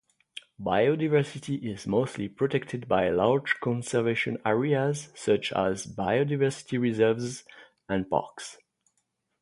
Biodiversity is mostly protected by large conservation areas such as biodiversity reserves and parks.